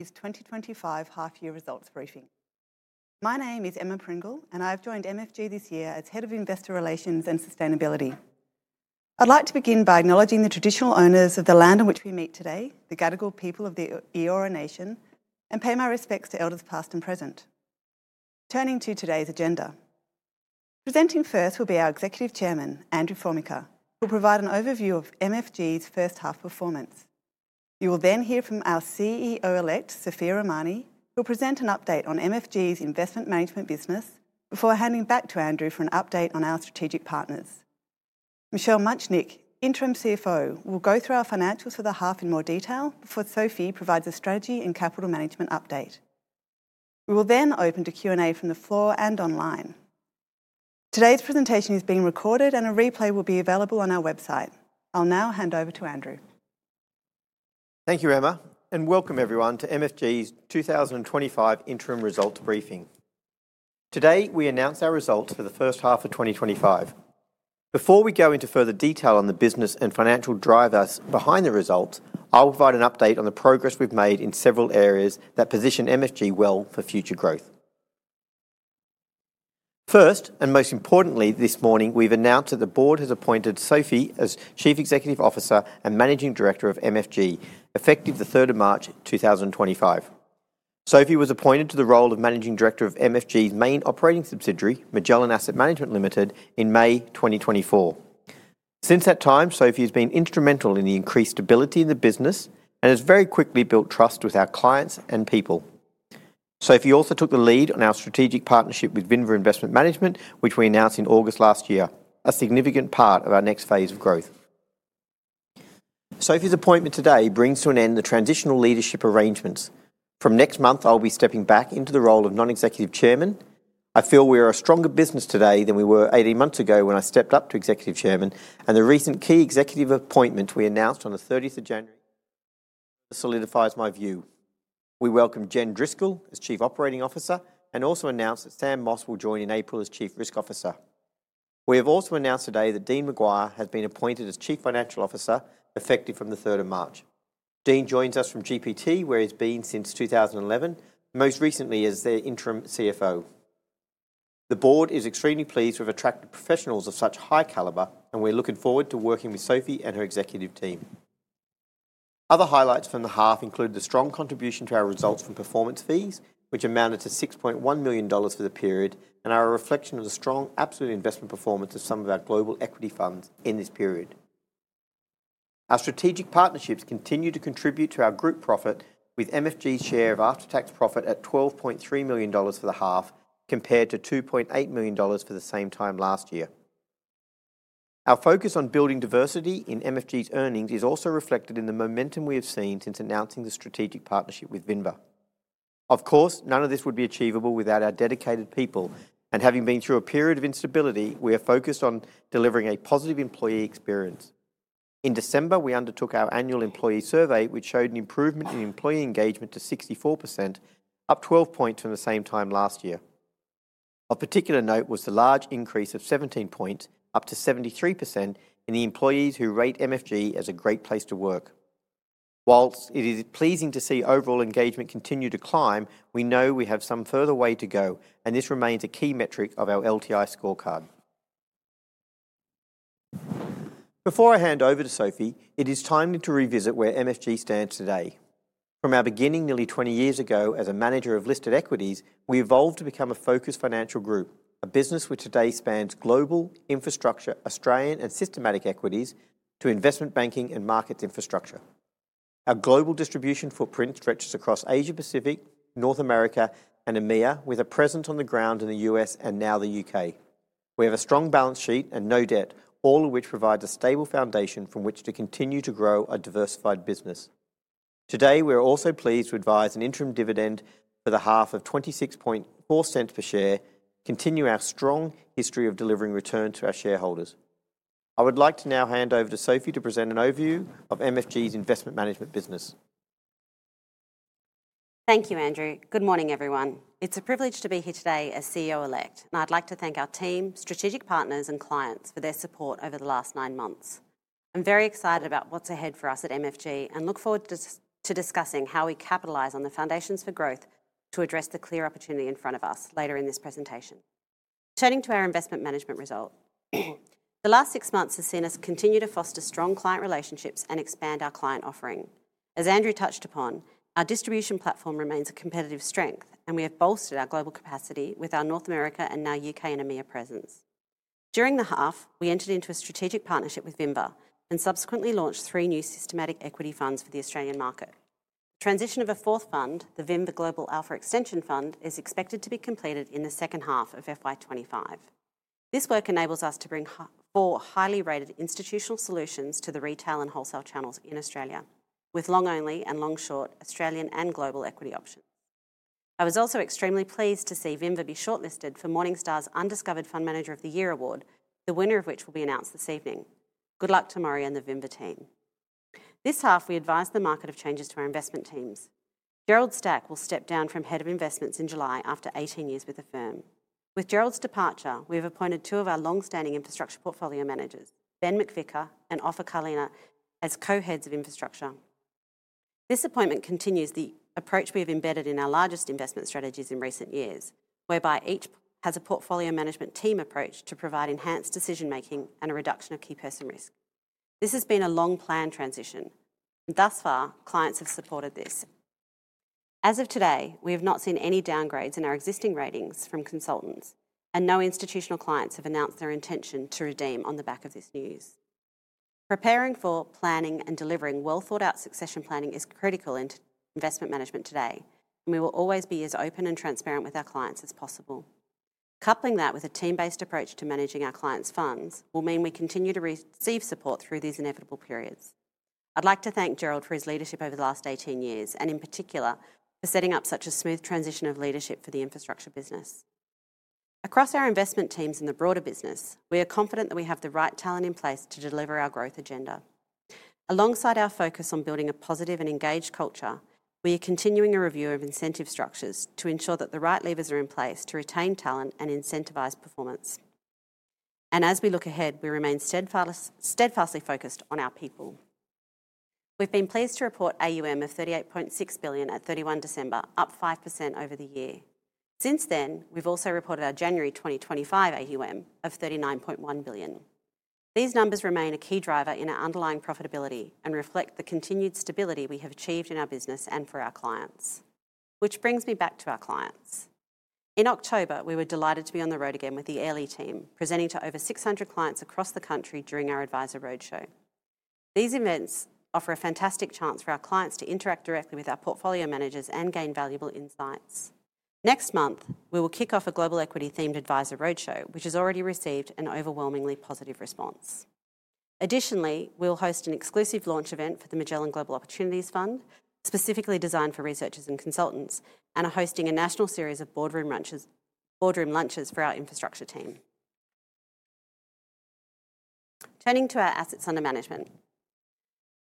MFG 2025 Half Year Results Briefing. My name is Emma Pringle, and I've joined MFG this year as Head of Investor Relations and Sustainability. I'd like to begin by acknowledging the traditional owners of the land on which we meet today, the Gadigal people of the Eora Nation, and pay my respects to Elders past and present. Turning to today's agenda, presenting first will be our Executive Chairman, Andrew Formica, who will provide an overview of MFG's first half performance. You will then hear from our CEO-elect, Sophia Rahmani, who will present an update on MFG's investment management business, before handing back to Andrew for an update on our strategic partners. Michelle Mutchnik, Interim CFO, will go through our financials for the half in more detail, before Sophie provides a strategy and capital management update. We will then open to Q&A from the floor and online. Today's presentation is being recorded, and a replay will be available on our website. I'll now hand over to Andrew. Thank you, Emma, and welcome everyone to MFG's 2025 Interim Results Briefing. Today we announce our results for the first half of 2025. Before we go into further detail on the business and financial drivers behind the results, I'll provide an update on the progress we've made in several areas that position MFG well for future growth. First, and most importantly this morning, we've announced that the Board has appointed Sophie as Chief Executive Officer and Managing Director of MFG, effective 3 March 2025. Sophie was appointed to the role of Managing Director of MFG's main operating subsidiary, Magellan Asset Management Limited, in May 2024. Since that time, Sophie has been instrumental in the increased stability in the business and has very quickly built trust with our clients and people. Sophie also took the lead on our strategic partnership with Vinva Investment Management, which we announced in August last year, a significant part of our next phase of growth. Sophie's appointment today brings to an end the transitional leadership arrangements. From next month, I'll be stepping back into the role of Non-Executive Chairman. I feel we are a stronger business today than we were 18 months ago when I stepped up to Executive Chairman, and the recent key executive appointment we announced on 30 January solidifies my view. We welcome Jen Driscoll as Chief Operating Officer and also announced that Sam Moss will join in April as Chief Risk Officer. We have also announced today that Dean McGuire has been appointed as Chief Financial Officer, effective from 3 March. Dean joins us from GPT, where he's been since 2011, most recently as the Interim CFO. The Board is extremely pleased we've attracted professionals of such high caliber, and we're looking forward to working with Sophie and her executive team. Other highlights from the half include the strong contribution to our results from performance fees, which amounted to 6.1 million dollars for the period and are a reflection of the strong absolute investment performance of some of our global equity funds in this period. Our strategic partnerships continue to contribute to our group profit, with MFG's share of after-tax profit at AUD 12.3 million for the half, compared to AUD 2.8 million for the same time last year. Our focus on building diversity in MFG's earnings is also reflected in the momentum we have seen since announcing the strategic partnership with Vinva. Of course, none of this would be achievable without our dedicated people, and having been through a period of instability, we are focused on delivering a positive employee experience. In December, we undertook our annual employee survey, which showed an improvement in employee engagement to 64%, up 12 points from the same time last year. Of particular note was the large increase of 17 points, up to 73%, in the employees who rate MFG as a great place to work. While it is pleasing to see overall engagement continue to climb, we know we have some further way to go, and this remains a key metric of our LTI scorecard. Before I hand over to Sophie, it is timely to revisit where MFG stands today. From our beginning nearly 20 years ago as a manager of listed equities, we evolved to become a focused financial group, a business which today spans global infrastructure, Australian and systematic equities, to investment banking and markets infrastructure. Our global distribution footprint stretches across Asia Pacific, North America, and EMEA, with a presence on the ground in the U.S. and now the U.K. We have a strong balance sheet and no debt, all of which provides a stable foundation from which to continue to grow our diversified business. Today, we are also pleased to advise an interim dividend for the half of 0.264 per share, continuing our strong history of delivering returns to our shareholders. I would like to now hand over to Sophie to present an overview of MFG's investment management business. Thank you, Andrew. Good morning, everyone. It's a privilege to be here today as CEO-elect, and I'd like to thank our team, strategic partners, and clients for their support over the last nine months. I'm very excited about what's ahead for us at MFG and look forward to discussing how we capitalize on the foundations for growth to address the clear opportunity in front of us later in this presentation. Turning to our investment management result, the last six months have seen us continue to foster strong client relationships and expand our client offering. As Andrew touched upon, our distribution platform remains a competitive strength, and we have bolstered our global capacity with our North America and now U.K. and EMEA presence. During the half, we entered into a strategic partnership with Vinva and subsequently launched three new systematic equity funds for the Australian market. The transition of a fourth fund, the Vinva Global Alpha Extension Fund, is expected to be completed in the second half of FY25. This work enables us to bring four highly rated institutional solutions to the retail and wholesale channels in Australia, with long-only and long-short Australian and global equity options. I was also extremely pleased to see Vinva be shortlisted for Morningstar's Undiscovered Fund Manager of the Year award, the winner of which will be announced this evening. Good luck to Morry and the Vinva team. This half, we advise the market of changes to our investment teams. Gerald Stack will step down from Head of Investments in July after 18 years with the firm. With Gerald's departure, we have appointed two of our long-standing infrastructure portfolio managers, Ben McVicker and Ofer Karliner, as co-heads of infrastructure. This appointment continues the approach we have embedded in our largest investment strategies in recent years, whereby each has a portfolio management team approach to provide enhanced decision-making and a reduction of key person risk. This has been a long-planned transition, and thus far, clients have supported this. As of today, we have not seen any downgrades in our existing ratings from consultants, and no institutional clients have announced their intention to redeem on the back of this news. Preparing for, planning, and delivering well-thought-out succession planning is critical in investment management today, and we will always be as open and transparent with our clients as possible. Coupling that with a team-based approach to managing our clients' funds will mean we continue to receive support through these inevitable periods. I'd like to thank Gerald for his leadership over the last 18 years, and in particular for setting up such a smooth transition of leadership for the infrastructure business. Across our investment teams and the broader business, we are confident that we have the right talent in place to deliver our growth agenda. Alongside our focus on building a positive and engaged culture, we are continuing a review of incentive structures to ensure that the right levers are in place to retain talent and incentivize performance. And as we look ahead, we remain steadfastly focused on our people. We've been pleased to report AUM of 38.6 billion at 31 December, up 5% over the year. Since then, we've also reported our January 2025 AUM of 39.1 billion. These numbers remain a key driver in our underlying profitability and reflect the continued stability we have achieved in our business and for our clients. Which brings me back to our clients. In October, we were delighted to be on the road again with the Airlie team, presenting to over 600 clients across the country during our Advisor Roadshow. These events offer a fantastic chance for our clients to interact directly with our portfolio managers and gain valuable insights. Next month, we will kick off a global equity-themed Advisor Roadshow, which has already received an overwhelmingly positive response. Additionally, we'll host an exclusive launch event for the Magellan Global Opportunities Fund, specifically designed for researchers and consultants, and are hosting a national series of boardroom lunches for our infrastructure team. Turning to our assets under management.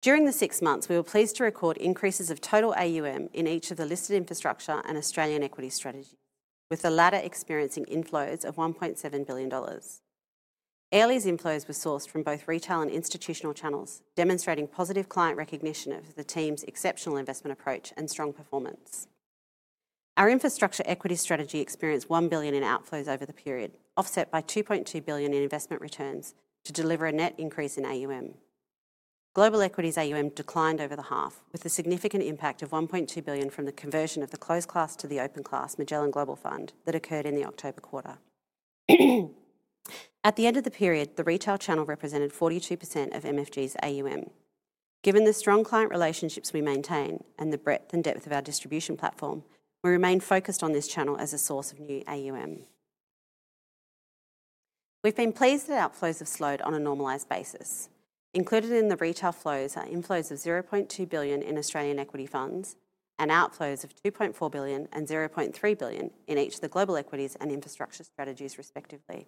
During the six months, we were pleased to record increases of total AUM in each of the listed infrastructure and Australian equity strategies, with the latter experiencing inflows of 1.7 billion dollars. Airlie's inflows were sourced from both retail and institutional channels, demonstrating positive client recognition of the team's exceptional investment approach and strong performance. Our infrastructure equity strategy experienced 1 billion in outflows over the period, offset by 2.2 billion in investment returns to deliver a net increase in AUM. Global equities AUM declined over the half, with a significant impact of 1.2 billion from the conversion of the closed class to the open class Magellan Global Fund that occurred in the October quarter. At the end of the period, the retail channel represented 42% of MFG's AUM. Given the strong client relationships we maintain and the breadth and depth of our distribution platform, we remain focused on this channel as a source of new AUM. We've been pleased that outflows have slowed on a normalized basis. Included in the retail flows are inflows of 0.2 billion in Australian equity funds and outflows of 2.4 billion and 0.3 billion in each of the global equities and infrastructure strategies, respectively.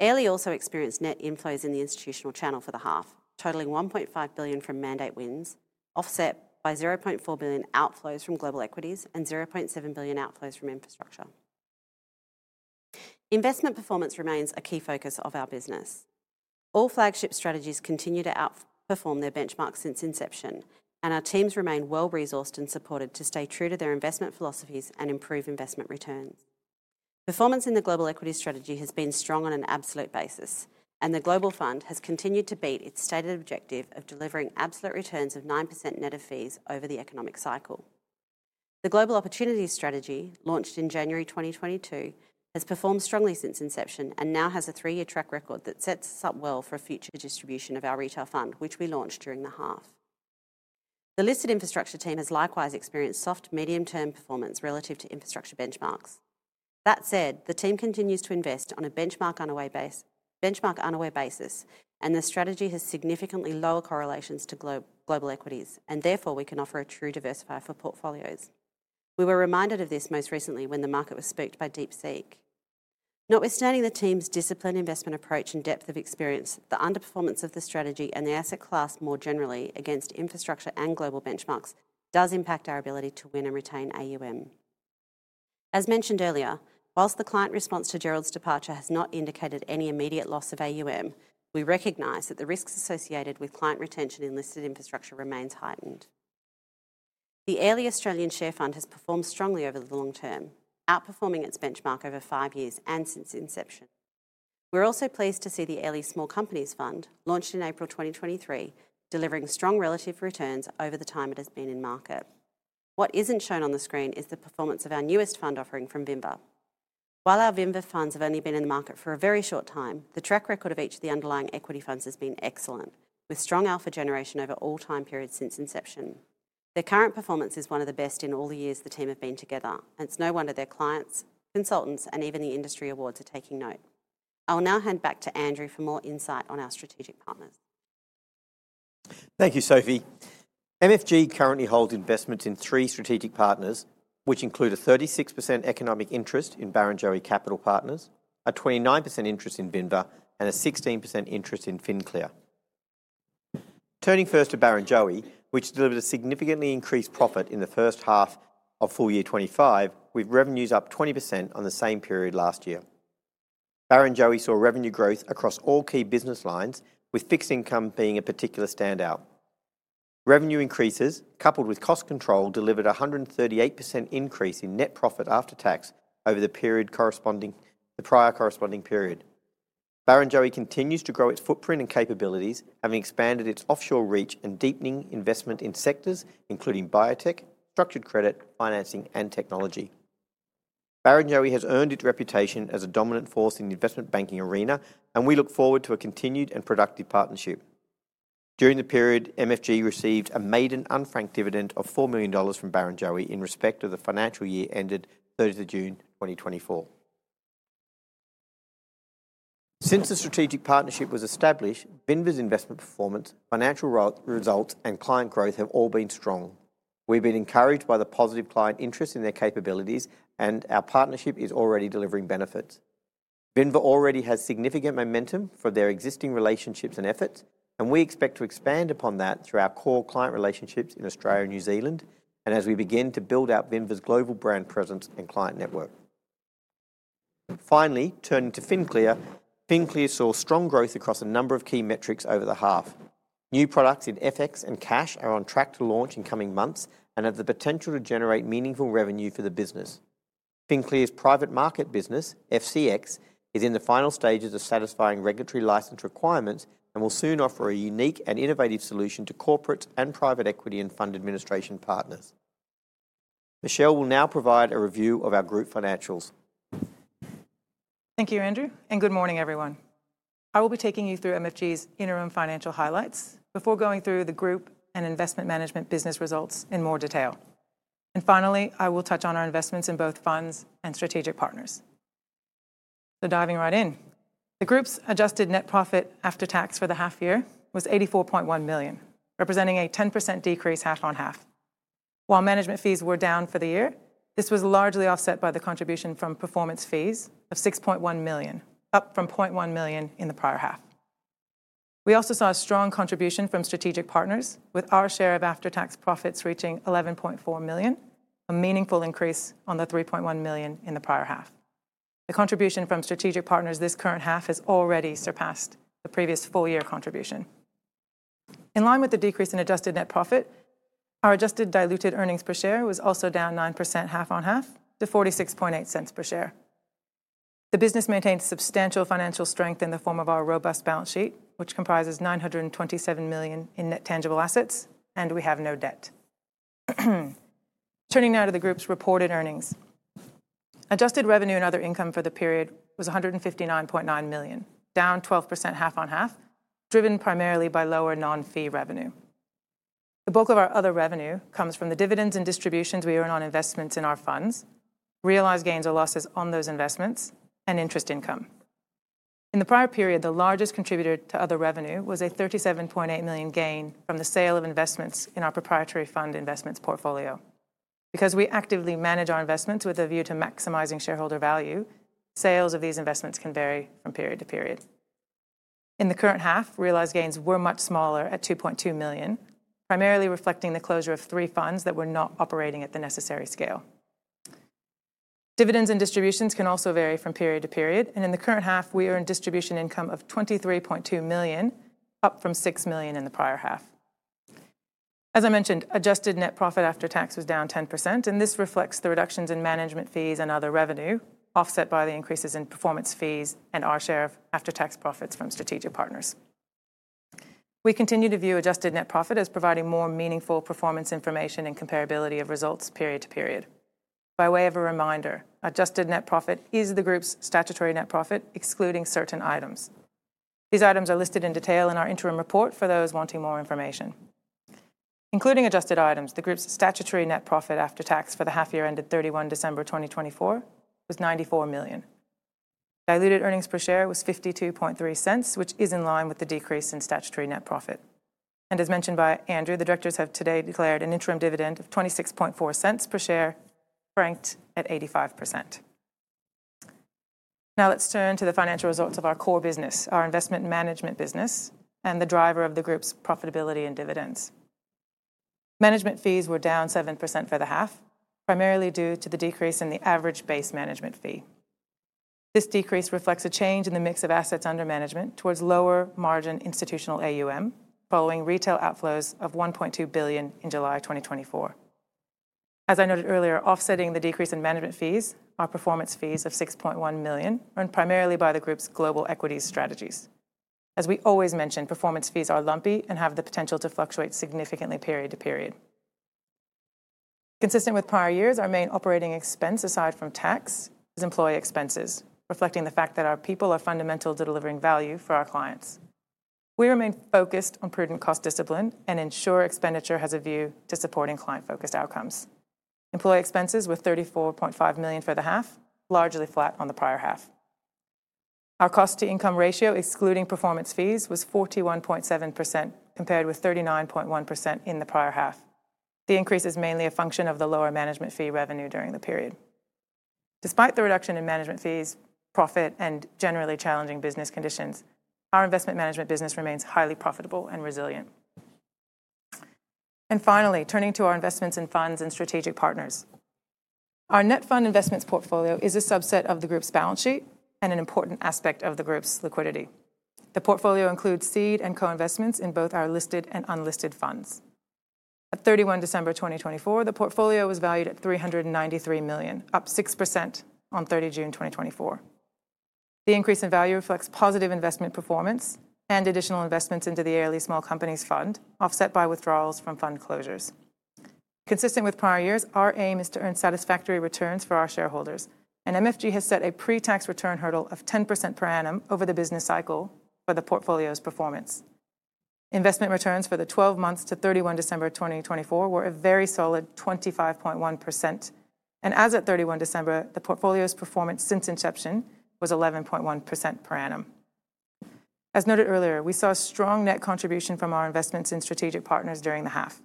Airlie also experienced net inflows in the institutional channel for the half, totaling 1.5 billion from mandate wins, offset by 0.4 billion outflows from global equities and 0.7 billion outflows from infrastructure. Investment performance remains a key focus of our business. All flagship strategies continue to outperform their benchmarks since inception, and our teams remain well-resourced and supported to stay true to their investment philosophies and improve investment returns. Performance in the global equity strategy has been strong on an absolute basis, and the global fund has continued to beat its stated objective of delivering absolute returns of 9% net of fees over the economic cycle. The global opportunity strategy, launched in January 2022, has performed strongly since inception and now has a three-year track record that sets us up well for a future distribution of our retail fund, which we launched during the half. The listed infrastructure team has likewise experienced soft medium-term performance relative to infrastructure benchmarks. That said, the team continues to invest on a benchmark-unaware basis, and the strategy has significantly lower correlations to global equities, and therefore we can offer a true diversifier for portfolios. We were reminded of this most recently when the market was spooked by DeepSeek. Notwithstanding the team's disciplined investment approach and depth of experience, the underperformance of the strategy and the asset class more generally against infrastructure and global benchmarks does impact our ability to win and retain AUM. As mentioned earlier, while the client response to Gerald's departure has not indicated any immediate loss of AUM, we recognize that the risks associated with client retention in listed infrastructure remains heightened. The Airlie Australian Share Fund has performed strongly over the long term, outperforming its benchmark over five years and since inception. We're also pleased to see the Airlie Small Companies Fund, launched in April 2023, delivering strong relative returns over the time it has been in market. What isn't shown on the screen is the performance of our newest fund offering from Vinva. While our Vinva funds have only been in the market for a very short time, the track record of each of the underlying equity funds has been excellent, with strong alpha generation over all time periods since inception. Their current performance is one of the best in all the years the team have been together, and it's no wonder their clients, consultants, and even the industry awards are taking note. I will now hand back to Andrew for more insight on our strategic partners. Thank you, Sophie. MFG currently holds investments in three strategic partners, which include a 36% economic interest in Barrenjoey Capital Partners, a 29% interest in Vinva, and a 16% interest in FinClear. Turning first to Barrenjoey, which delivered a significantly increased profit in the first half of full year 2025, with revenues up 20% on the same period last year. Barrenjoey saw revenue growth across all key business lines, with fixed income being a particular standout. Revenue increases, coupled with cost control, delivered a 138% increase in net profit after tax over the prior corresponding period. Barrenjoey continues to grow its footprint and capabilities, having expanded its offshore reach and deepening investment in sectors including biotech, structured credit, financing, and technology. Barrenjoey has earned its reputation as a dominant force in the investment banking arena, and we look forward to a continued and productive partnership. During the period, MFG received a maiden unfranked dividend of 4 million dollars from Barrenjoey in respect of the financial year ended 30 June 2024. Since the strategic partnership was established, Vinva's investment performance, financial results, and client growth have all been strong. We've been encouraged by the positive client interest in their capabilities, and our partnership is already delivering benefits. Vinva already has significant momentum for their existing relationships and efforts, and we expect to expand upon that through our core client relationships in Australia and New Zealand, and as we begin to build out Vinva's global brand presence and client network. Finally, turning to FinClear, FinClear saw strong growth across a number of key metrics over the half. New products in FX and cash are on track to launch in coming months and have the potential to generate meaningful revenue for the business. FinClear's private market business, FCX, is in the final stages of satisfying regulatory license requirements and will soon offer a unique and innovative solution to corporate and private equity and fund administration partners. Michelle will now provide a review of our group financials. Thank you, Andrew, and good morning, everyone. I will be taking you through MFG's interim financial highlights before going through the group and investment management business results in more detail. And finally, I will touch on our investments in both funds and strategic partners. So diving right in, the group's adjusted net profit after tax for the half year was 84.1 million, representing a 10% decrease half on half. While management fees were down for the year, this was largely offset by the contribution from performance fees of 6.1 million, up from 0.1 million in the prior half. We also saw a strong contribution from strategic partners, with our share of after-tax profits reaching 11.4 million, a meaningful increase on the 3.1 million in the prior half. The contribution from strategic partners this current half has already surpassed the previous full-year contribution. In line with the decrease in adjusted net profit, our adjusted diluted earnings per share was also down 9% half on half to $0.468 per share. The business maintains substantial financial strength in the form of our robust balance sheet, which comprises $927 million in net tangible assets, and we have no debt. Turning now to the group's reported earnings, adjusted revenue and other income for the period was $159.9 million, down 12% half on half, driven primarily by lower non-fee revenue. The bulk of our other revenue comes from the dividends and distributions we earn on investments in our funds, realized gains or losses on those investments, and interest income. In the prior period, the largest contributor to other revenue was a $37.8 million gain from the sale of investments in our proprietary fund investments portfolio. Because we actively manage our investments with a view to maximizing shareholder value, sales of these investments can vary from period to period. In the current half, realised gains were much smaller at 2.2 million, primarily reflecting the closure of three funds that were not operating at the necessary scale. Dividends and distributions can also vary from period to period, and in the current half, we earned distribution income of 23.2 million, up from 6 million in the prior half. As I mentioned, adjusted net profit after tax was down 10%, and this reflects the reductions in management fees and other revenue, offset by the increases in performance fees and our share of after-tax profits from strategic partners. We continue to view adjusted net profit as providing more meaningful performance information and comparability of results period to period. By way of a reminder, adjusted net profit is the group's statutory net profit, excluding certain items. These items are listed in detail in our interim report for those wanting more information. Including adjusted items, the group's statutory net profit after tax for the half year ended 31 December 2024 was 94 million. Diluted earnings per share was 0.523, which is in line with the decrease in statutory net profit. And as mentioned by Andrew, the directors have today declared an interim dividend of 0.264 per share, franked at 85%. Now let's turn to the financial results of our core business, our investment management business, and the driver of the group's profitability and dividends. Management fees were down 7% for the half, primarily due to the decrease in the average base management fee. This decrease reflects a change in the mix of assets under management towards lower margin institutional AUM, following retail outflows of 1.2 billion in July 2024. As I noted earlier, offsetting the decrease in management fees, our performance fees of 6.1 million are primarily by the group's global equities strategies. As we always mention, performance fees are lumpy and have the potential to fluctuate significantly period to period. Consistent with prior years, our main operating expense, aside from tax, is employee expenses, reflecting the fact that our people are fundamental to delivering value for our clients. We remain focused on prudent cost discipline and ensure expenditure has a view to supporting client-focused outcomes. Employee expenses were 34.5 million for the half, largely flat on the prior half. Our cost-to-income ratio, excluding performance fees, was 41.7%, compared with 39.1% in the prior half. The increase is mainly a function of the lower management fee revenue during the period. Despite the reduction in management fees, profit, and generally challenging business conditions, our investment management business remains highly profitable and resilient. Finally, turning to our investments in funds and strategic partners. Our net fund investments portfolio is a subset of the group's balance sheet and an important aspect of the group's liquidity. The portfolio includes seed and co-investments in both our listed and unlisted funds. At 31 December 2024, the portfolio was valued at 393 million, up 6% on 30 June 2024. The increase in value reflects positive investment performance and additional investments into the Airlie Small Companies Fund, offset by withdrawals from fund closures. Consistent with prior years, our aim is to earn satisfactory returns for our shareholders, and MFG has set a pre-tax return hurdle of 10% per annum over the business cycle for the portfolio's performance. Investment returns for the 12 months to 31 December 2024 were a very solid 25.1%, and as at 31 December, the portfolio's performance since inception was 11.1% per annum. As noted earlier, we saw a strong net contribution from our investments in strategic partners during the half.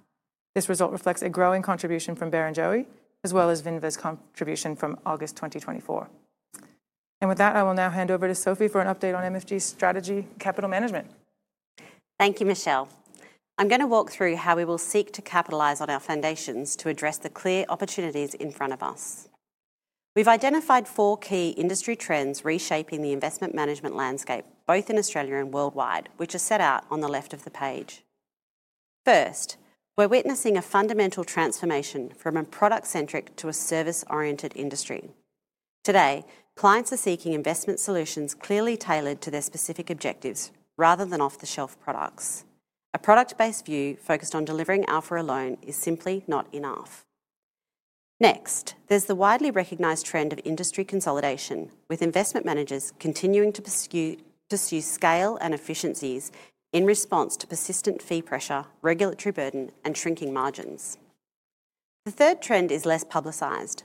This result reflects a growing contribution from Barrenjoey, as well as Vinva's contribution from August 2024. And with that, I will now hand over to Sophie for an update on MFG's strategy and capital management. Thank you, Michelle. I'm going to walk through how we will seek to capitalize on our foundations to address the clear opportunities in front of us. We've identified four key industry trends reshaping the investment management landscape, both in Australia and worldwide, which are set out on the left of the page. First, we're witnessing a fundamental transformation from a product-centric to a service-oriented industry. Today, clients are seeking investment solutions clearly tailored to their specific objectives rather than off-the-shelf products. A product-based view focused on delivering alpha alone is simply not enough. Next, there's the widely recognized trend of industry consolidation, with investment managers continuing to pursue scale and efficiencies in response to persistent fee pressure, regulatory burden, and shrinking margins. The third trend is less publicized.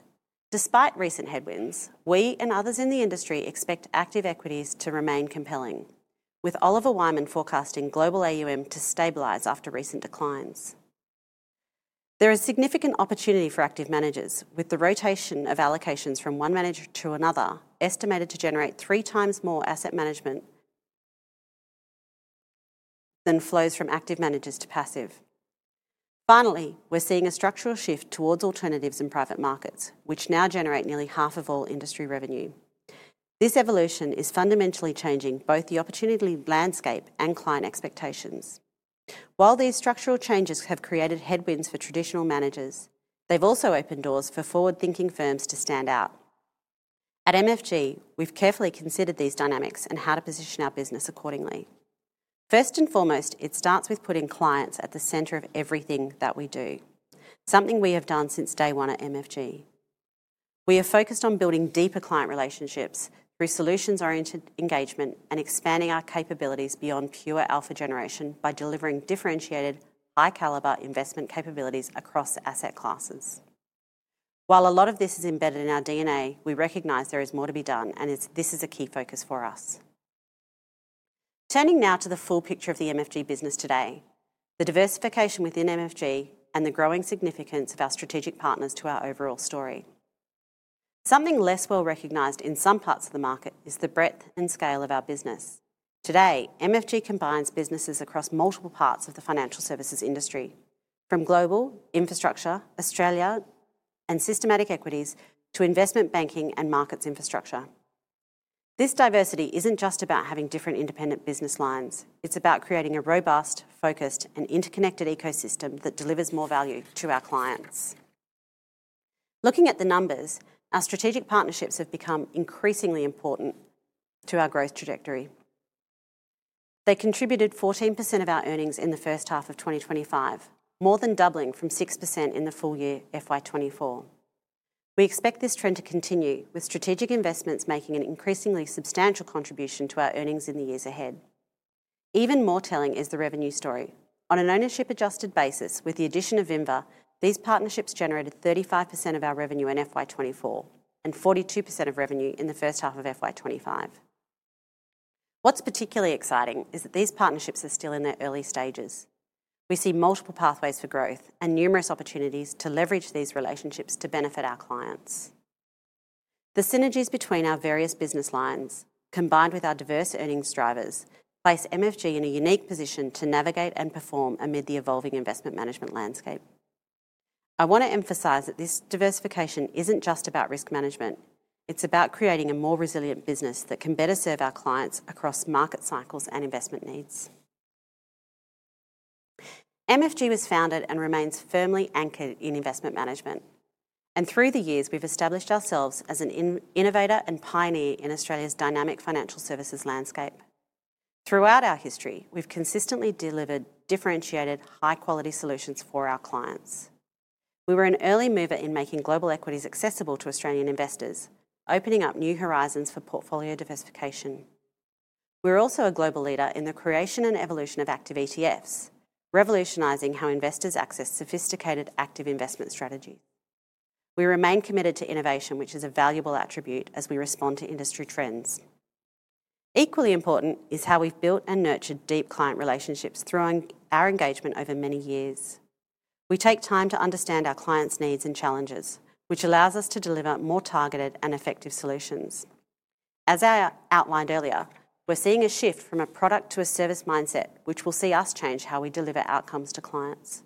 Despite recent headwinds, we and others in the industry expect active equities to remain compelling, with Oliver Wyman forecasting global AUM to stabilize after recent declines. There is significant opportunity for active managers, with the rotation of allocations from one manager to another estimated to generate three times more asset management than flows from active managers to passive. Finally, we're seeing a structural shift towards alternatives in private markets, which now generate nearly half of all industry revenue. This evolution is fundamentally changing both the opportunity landscape and client expectations. While these structural changes have created headwinds for traditional managers, they've also opened doors for forward-thinking firms to stand out. At MFG, we've carefully considered these dynamics and how to position our business accordingly. First and foremost, it starts with putting clients at the center of everything that we do, something we have done since day one at MFG. We are focused on building deeper client relationships through solutions-oriented engagement and expanding our capabilities beyond pure alpha generation by delivering differentiated, high-caliber investment capabilities across asset classes. While a lot of this is embedded in our DNA, we recognize there is more to be done, and this is a key focus for us. Turning now to the full picture of the MFG business today, the diversification within MFG, and the growing significance of our strategic partners to our overall story. Something less well recognized in some parts of the market is the breadth and scale of our business. Today, MFG combines businesses across multiple parts of the financial services industry, from global infrastructure, Australia, and systematic equities to investment banking and markets infrastructure. This diversity isn't just about having different independent business lines. It's about creating a robust, focused, and interconnected ecosystem that delivers more value to our clients. Looking at the numbers, our strategic partnerships have become increasingly important to our growth trajectory. They contributed 14% of our earnings in the first half of 2025, more than doubling from 6% in the full year FY24. We expect this trend to continue, with strategic investments making an increasingly substantial contribution to our earnings in the years ahead. Even more telling is the revenue story. On an ownership-adjusted basis, with the addition of Vinva, these partnerships generated 35% of our revenue in FY24 and 42% of revenue in the first half of FY25. What's particularly exciting is that these partnerships are still in their early stages. We see multiple pathways for growth and numerous opportunities to leverage these relationships to benefit our clients. The synergies between our various business lines, combined with our diverse earnings drivers, place MFG in a unique position to navigate and perform amid the evolving investment management landscape. I want to emphasize that this diversification isn't just about risk management. It's about creating a more resilient business that can better serve our clients across market cycles and investment needs. MFG was founded and remains firmly anchored in investment management, and through the years, we've established ourselves as an innovator and pioneer in Australia's dynamic financial services landscape. Throughout our history, we've consistently delivered differentiated, high-quality solutions for our clients. We were an early mover in making global equities accessible to Australian investors, opening up new horizons for portfolio diversification. We're also a global leader in the creation and evolution of active ETFs, revolutionizing how investors access sophisticated active investment strategies. We remain committed to innovation, which is a valuable attribute as we respond to industry trends. Equally important is how we've built and nurtured deep client relationships through our engagement over many years. We take time to understand our clients' needs and challenges, which allows us to deliver more targeted and effective solutions. As I outlined earlier, we're seeing a shift from a product-to-a-service mindset, which will see us change how we deliver outcomes to clients.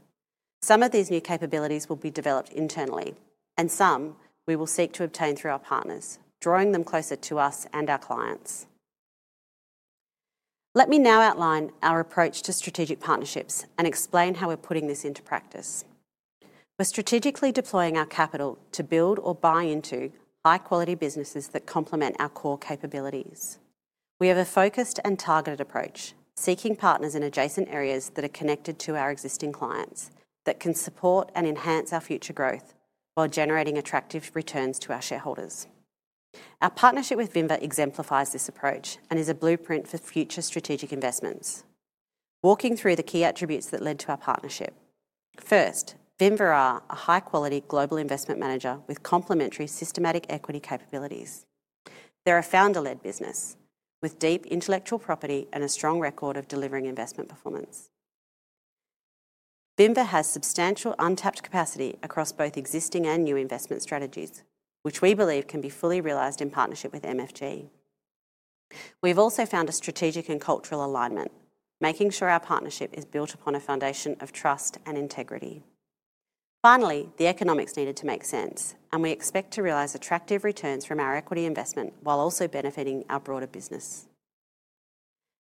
Some of these new capabilities will be developed internally, and some we will seek to obtain through our partners, drawing them closer to us and our clients. Let me now outline our approach to strategic partnerships and explain how we're putting this into practice. We're strategically deploying our capital to build or buy into high-quality businesses that complement our core capabilities. We have a focused and targeted approach, seeking partners in adjacent areas that are connected to our existing clients that can support and enhance our future growth while generating attractive returns to our shareholders. Our partnership with Vinva exemplifies this approach and is a blueprint for future strategic investments. Walking through the key attributes that led to our partnership. First, Vinva is a high-quality global investment manager with complementary systematic equity capabilities. They're a founder-led business with deep intellectual property and a strong record of delivering investment performance. Vinva has substantial untapped capacity across both existing and new investment strategies, which we believe can be fully realized in partnership with MFG. We've also found a strategic and cultural alignment, making sure our partnership is built upon a foundation of trust and integrity. Finally, the economics needed to make sense, and we expect to realize attractive returns from our equity investment while also benefiting our broader business.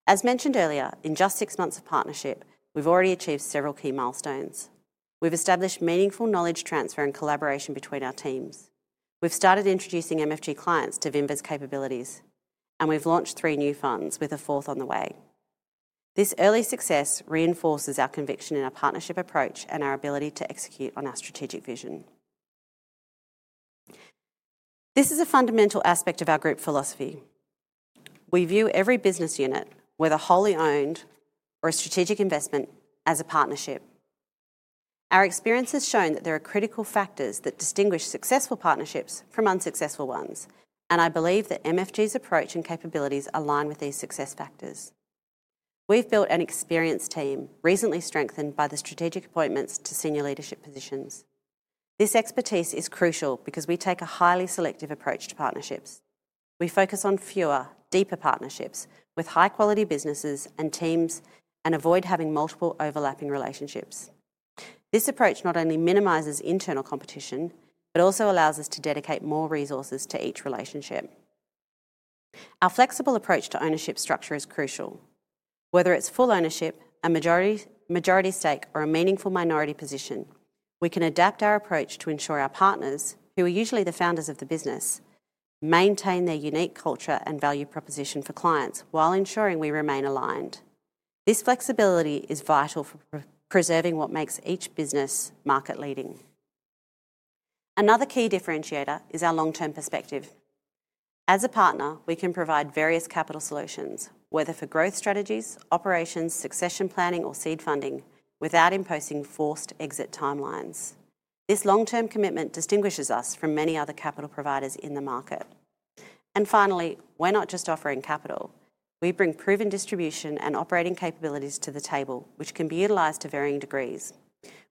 As mentioned earlier, in just six months of partnership, we've already achieved several key milestones. We've established meaningful knowledge transfer and collaboration between our teams. We've started introducing MFG clients to Vinva's capabilities, and we've launched three new funds, with a fourth on the way. This early success reinforces our conviction in our partnership approach and our ability to execute on our strategic vision. This is a fundamental aspect of our group philosophy. We view every business unit, whether wholly owned or a strategic investment, as a partnership. Our experience has shown that there are critical factors that distinguish successful partnerships from unsuccessful ones, and I believe that MFG's approach and capabilities align with these success factors. We've built an experienced team, recently strengthened by the strategic appointments to senior leadership positions. This expertise is crucial because we take a highly selective approach to partnerships. We focus on fewer, deeper partnerships with high-quality businesses and teams and avoid having multiple overlapping relationships. This approach not only minimizes internal competition but also allows us to dedicate more resources to each relationship. Our flexible approach to ownership structure is crucial. Whether it's full ownership, a majority stake, or a meaningful minority position, we can adapt our approach to ensure our partners, who are usually the founders of the business, maintain their unique culture and value proposition for clients while ensuring we remain aligned. This flexibility is vital for preserving what makes each business market-leading. Another key differentiator is our long-term perspective. As a partner, we can provide various capital solutions, whether for growth strategies, operations, succession planning, or seed funding, without imposing forced exit timelines. This long-term commitment distinguishes us from many other capital providers in the market. And finally, we're not just offering capital. We bring proven distribution and operating capabilities to the table, which can be utilized to varying degrees.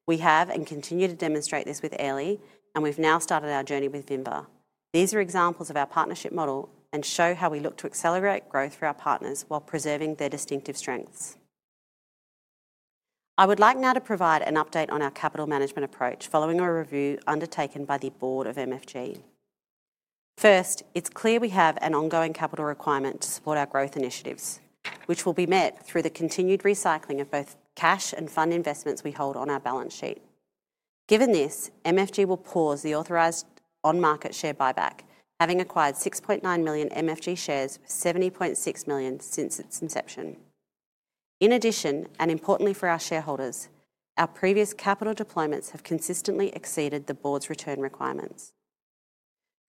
We have and continue to demonstrate this with Airlie, and we've now started our journey with Vinva. These are examples of our partnership model and show how we look to accelerate growth for our partners while preserving their distinctive strengths. I would like now to provide an update on our capital management approach following a review undertaken by the board of MFG. First, it's clear we have an ongoing capital requirement to support our growth initiatives, which will be met through the continued recycling of both cash and fund investments we hold on our balance sheet. Given this, MFG will pause the authorized on-market share buyback, having acquired 6.9 million MFG shares, 70.6 million since its inception. In addition, and importantly for our shareholders, our previous capital deployments have consistently exceeded the board's return requirements.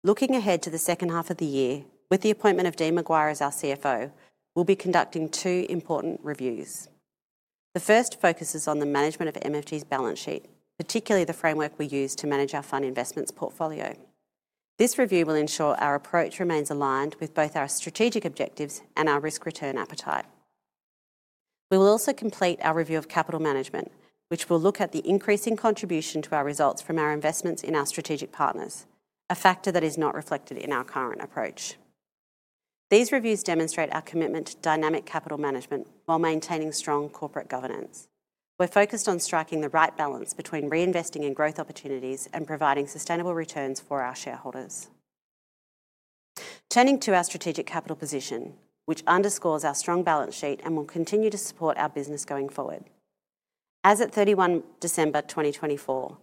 Looking ahead to the second half of the year, with the appointment of Dean McGuire as our CFO, we'll be conducting two important reviews. The first focuses on the management of MFG's balance sheet, particularly the framework we use to manage our fund investments portfolio. This review will ensure our approach remains aligned with both our strategic objectives and our risk-return appetite. We will also complete our review of capital management, which will look at the increasing contribution to our results from our investments in our strategic partners, a factor that is not reflected in our current approach. These reviews demonstrate our commitment to dynamic capital management while maintaining strong corporate governance. We're focused on striking the right balance between reinvesting in growth opportunities and providing sustainable returns for our shareholders. Turning to our strategic capital position, which underscores our strong balance sheet and will continue to support our business going forward. As of 31 December 2024,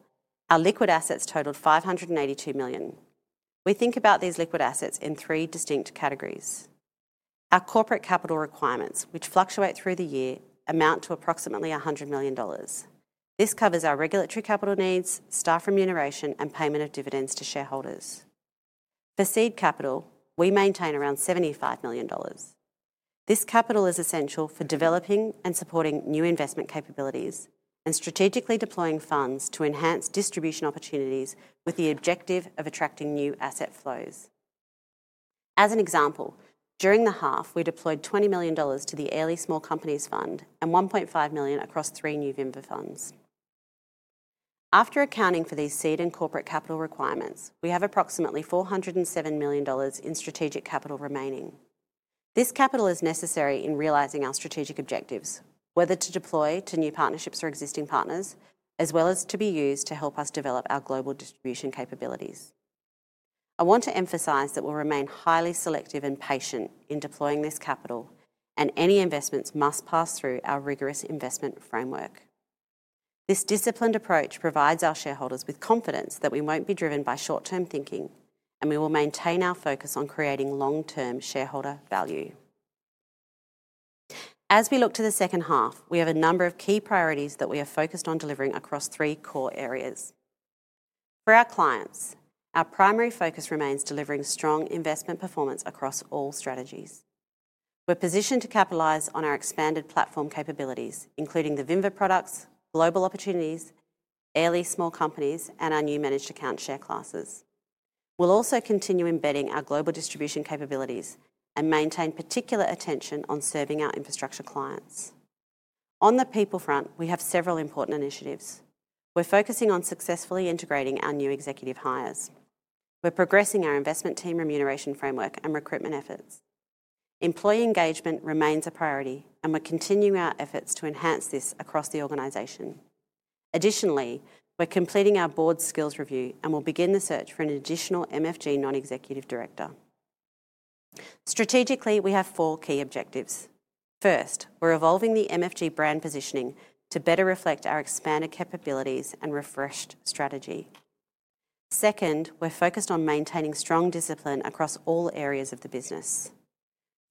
our liquid assets totaled 582 million. We think about these liquid assets in three distinct categories. Our corporate capital requirements, which fluctuate through the year, amount to approximately 100 million dollars. This covers our regulatory capital needs, staff remuneration, and payment of dividends to shareholders. For seed capital, we maintain around 75 million dollars. This capital is essential for developing and supporting new investment capabilities and strategically deploying funds to enhance distribution opportunities with the objective of attracting new asset flows. As an example, during the half, we deployed 20 million dollars to the Airlie Small Companies Fund and 1.5 million across three new Vinva funds. After accounting for these seed and corporate capital requirements, we have approximately 407 million dollars in strategic capital remaining. This capital is necessary in realizing our strategic objectives, whether to deploy to new partnerships or existing partners, as well as to be used to help us develop our global distribution capabilities. I want to emphasize that we'll remain highly selective and patient in deploying this capital, and any investments must pass through our rigorous investment framework. This disciplined approach provides our shareholders with confidence that we won't be driven by short-term thinking, and we will maintain our focus on creating long-term shareholder value. As we look to the second half, we have a number of key priorities that we are focused on delivering across three core areas. For our clients, our primary focus remains delivering strong investment performance across all strategies. We're positioned to capitalize on our expanded platform capabilities, including the Vinva products, global opportunities, Airlie Small Companies, and our new managed account share classes. We'll also continue embedding our global distribution capabilities and maintain particular attention on serving our infrastructure clients. On the people front, we have several important initiatives. We're focusing on successfully integrating our new executive hires. We're progressing our investment team remuneration framework and recruitment efforts. Employee engagement remains a priority, and we're continuing our efforts to enhance this across the organization. Additionally, we're completing our board skills review and will begin the search for an additional MFG non-executive director. Strategically, we have four key objectives. First, we're evolving the MFG brand positioning to better reflect our expanded capabilities and refreshed strategy. Second, we're focused on maintaining strong discipline across all areas of the business.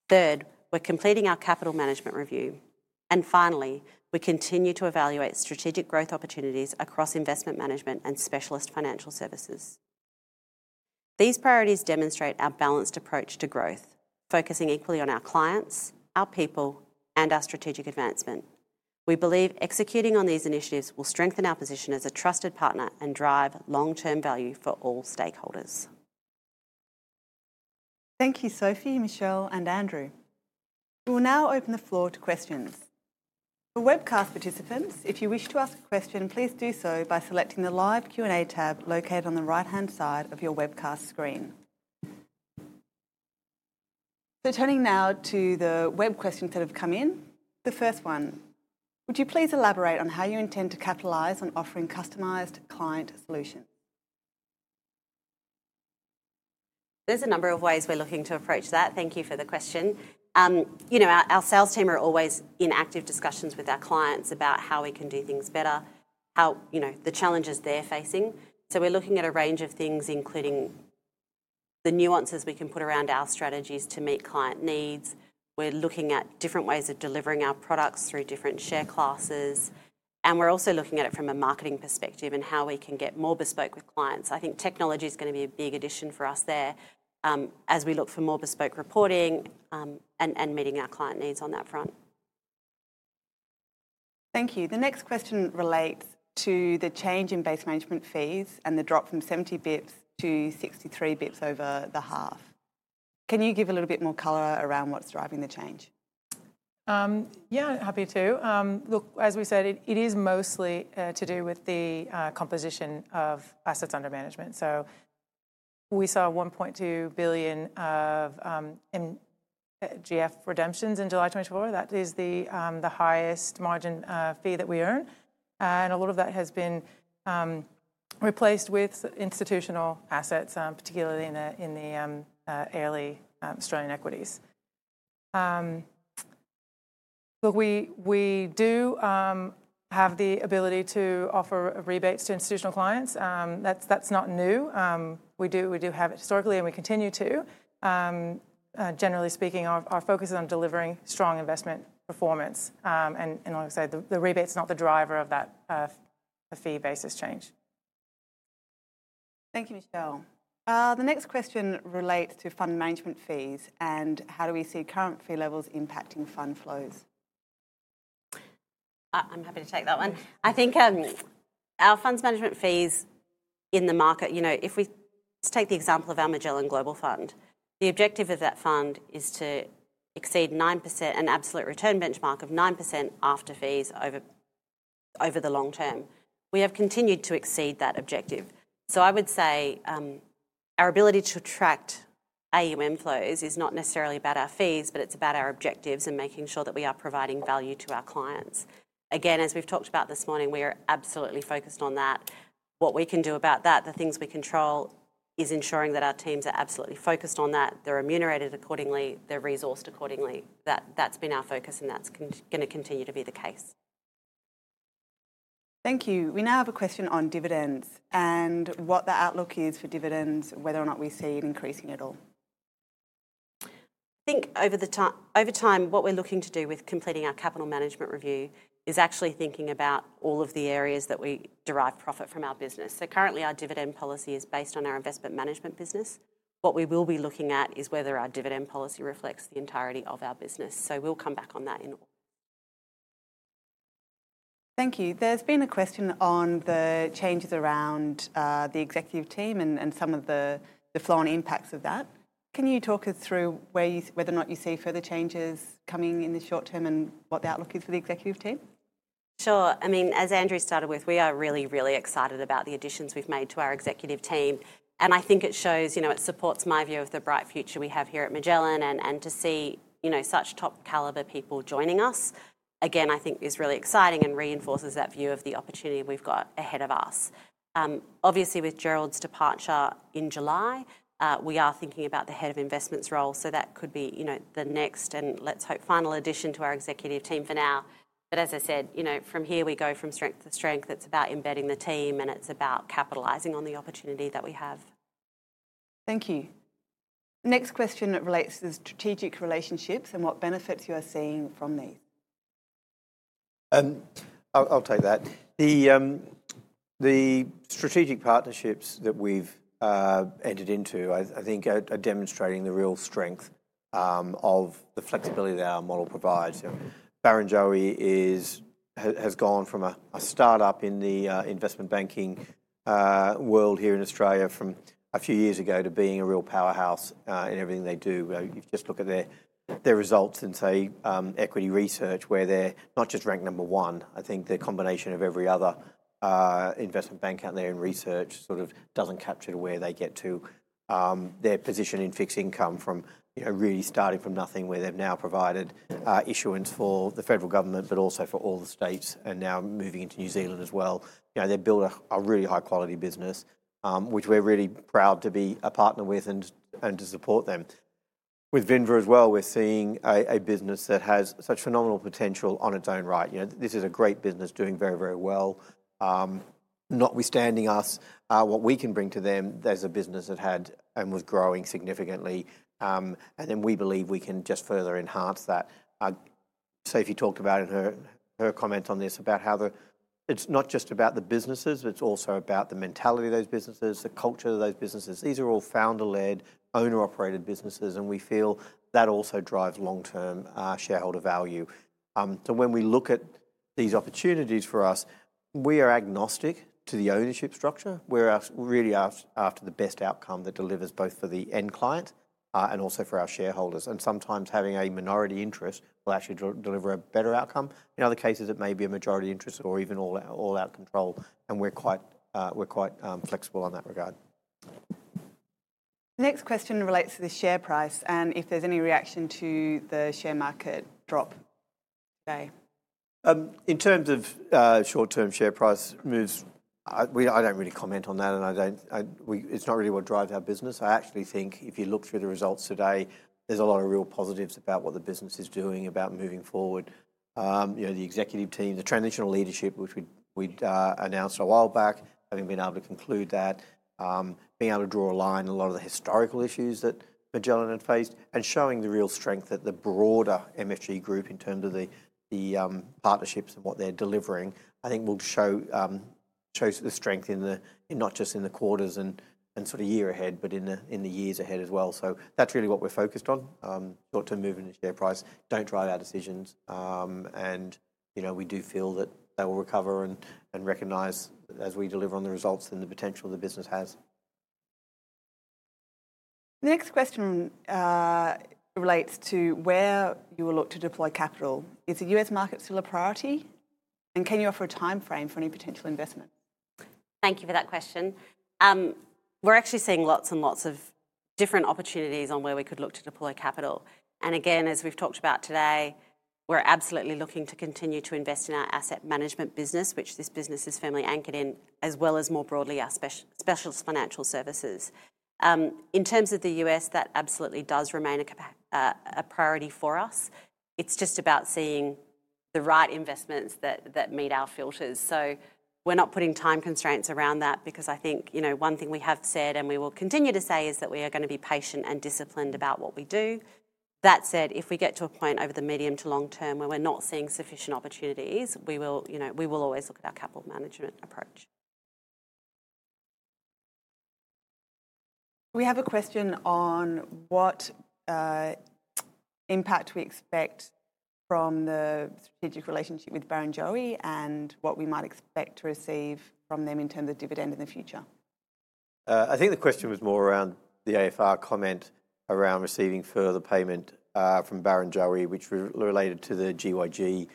Third, we're completing our capital management review. And finally, we continue to evaluate strategic growth opportunities across investment management and specialist financial services. These priorities demonstrate our balanced approach to growth, focusing equally on our clients, our people, and our strategic advancement. We believe executing on these initiatives will strengthen our position as a trusted partner and drive long-term value for all stakeholders. Thank you, Sophie, Michelle, and Andrew. We will now open the floor to questions. For webcast participants, if you wish to ask a question, please do so by selecting the live Q&A tab located on the right-hand side of your webcast screen. Turning now to the web questions that have come in. The first one, would you please elaborate on how you intend to capitalize on offering customized client solutions? There's a number of ways we're looking to approach that. Thank you for the question. You know, our sales team are always in active discussions with our clients about how we can do things better, how, you know, the challenges they're facing. We're looking at a range of things, including the nuances we can put around our strategies to meet client needs. We're looking at different ways of delivering our products through different share classes. We're also looking at it from a marketing perspective and how we can get more bespoke with clients. I think technology is going to be a big addition for us there as we look for more bespoke reporting and meeting our client needs on that front. Thank you. The next question relates to the change in base management fees and the drop from 70 basis points to 63 basis points over the half. Can you give a little bit more color around what's driving the change? Yeah, happy to. Look, as we said, it is mostly to do with the composition of assets under management. So we saw 1.2 billion of GF redemptions in July 2024. That is the highest margin fee that we earn. And a lot of that has been replaced with institutional assets, particularly in the Airlie Australian equities. Look, we do have the ability to offer rebates to institutional clients. That's not new. We do have it historically, and we continue to. Generally speaking, our focus is on delivering strong investment performance. And like I say, the rebate's not the driver of that fee basis change. Thank you, Michelle. The next question relates to fund management fees and how do we see current fee levels impacting fund flows? I'm happy to take that one. I think our funds management fees in the market, you know, if we take the example of our Magellan Global Fund, the objective of that fund is to exceed 9%, an absolute return benchmark of 9% after fees over the long term. We have continued to exceed that objective. So I would say our ability to attract AUM flows is not necessarily about our fees, but it's about our objectives and making sure that we are providing value to our clients. Again, as we've talked about this morning, we are absolutely focused on that. What we can do about that, the things we control, is ensuring that our teams are absolutely focused on that, they're remunerated accordingly, they're resourced accordingly. That's been our focus, and that's going to continue to be the case. Thank you. We now have a question on dividends and what the outlook is for dividends, whether or not we see increasing at all. I think over time, what we're looking to do with completing our capital management review is actually thinking about all of the areas that we derive profit from our business. So currently, our dividend policy is based on our investment management business. What we will be looking at is whether our dividend policy reflects the entirety of our business. So we'll come back on that in. Thank you. There's been a question on the changes around the executive team and some of the flow-on impacts of that. Can you talk us through whether or not you see further changes coming in the short term and what the outlook is for the executive team? Sure. I mean, as Andrew started with, we are really, really excited about the additions we've made to our executive team. And I think it shows, you know, it supports my view of the bright future we have here at Magellan and to see, you know, such top caliber people joining us, again, I think is really exciting and reinforces that view of the opportunity we've got ahead of us. Obviously, with Gerald's departure in July, we are thinking about the head of investments role. So that could be, you know, the next, and let's hope, final addition to our executive team for now. But as I said, you know, from here, we go from strength to strength. It's about embedding the team, and it's about capitalizing on the opportunity that we have. Thank you. The next question relates to strategic relationships and what benefits you are seeing from these. I'll take that. The strategic partnerships that we've entered into, I think, are demonstrating the real strength of the flexibility that our model provides. Barrenjoey has gone from a startup in the investment banking world here in Australia from a few years ago to being a real powerhouse in everything they do. You just look at their results in, say, equity research, where they're not just ranked number one. I think the combination of every other investment bank out there in research sort of doesn't capture to where they get to their position in fixed income from, you know, really starting from nothing, where they've now provided issuance for the federal government, but also for all the states and now moving into New Zealand as well. You know, they've built a really high-quality business, which we're really proud to be a partner with and to support them. With Vinva as well, we're seeing a business that has such phenomenal potential on its own right. You know, this is a great business doing very, very well, notwithstanding us, what we can bring to them as a business that had and was growing significantly. And then we believe we can just further enhance that. Sophie talked about in her comments on this about how it's not just about the businesses, it's also about the mentality of those businesses, the culture of those businesses. These are all founder-led, owner-operated businesses, and we feel that also drives long-term shareholder value. So when we look at these opportunities for us, we are agnostic to the ownership structure. We're really after the best outcome that delivers both for the end client and also for our shareholders. And sometimes having a minority interest will actually deliver a better outcome. In other cases, it may be a majority interest or even all-out control. And we're quite flexible in that regard. The next question relates to the share price and if there's any reaction to the share market drop today. In terms of short-term share price moves, I don't really comment on that. I don't, it's not really what drives our business. I actually think if you look through the results today, there's a lot of real positives about what the business is doing about moving forward. You know, the executive team, the transitional leadership, which we announced a while back, having been able to conclude that, being able to draw a line in a lot of the historical issues that Magellan had faced and showing the real strength that the broader MFG group in terms of the partnerships and what they're delivering, I think will show the strength in not just in the quarters and sort of year ahead, but in the years ahead as well. So that's really what we're focused on. Short-term movement in share price don't drive our decisions. You know, we do feel that they will recover and recognize as we deliver on the results and the potential the business has. The next question relates to where you will look to deploy capital. Is the U.S. market still a priority? And can you offer a timeframe for any potential investment? Thank you for that question. We're actually seeing lots and lots of different opportunities on where we could look to deploy capital. And again, as we've talked about today, we're absolutely looking to continue to invest in our asset management business, which this business is firmly anchored in, as well as more broadly our specialist financial services. In terms of the U.S., that absolutely does remain a priority for us. It's just about seeing the right investments that meet our filters. So we're not putting time constraints around that because I think, you know, one thing we have said and we will continue to say is that we are going to be patient and disciplined about what we do. That said, if we get to a point over the medium to long term where we're not seeing sufficient opportunities, we will, you know, we will always look at our capital management approach. We have a question on what impact we expect from the strategic relationship with Barrenjoey and what we might expect to receive from them in terms of dividend in the future. I think the question was more around the AFR comment around receiving further payment from Barrenjoey, which related to the GYG